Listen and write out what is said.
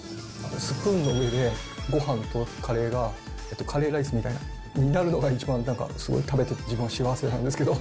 スプーンの上でごはんとカレーが、カレーライスみたいになるのが、一番食べてて自分はすごい幸せなんですけど。